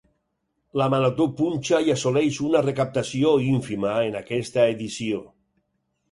La Marató punxa i assoleix una recaptació ínfima en aquesta edició